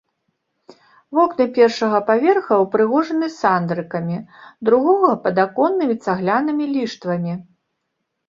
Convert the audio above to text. Вокны першага паверха ўпрыгожаны сандрыкамі, другога падаконнымі цаглянымі ліштвамі.